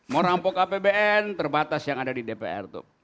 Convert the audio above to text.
mau rampok apbn terbatas yang ada di dpr itu